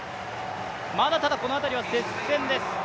まだこの辺りは接戦です。